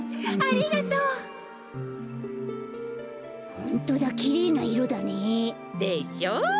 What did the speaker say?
ホントだきれいないろだね。でしょう？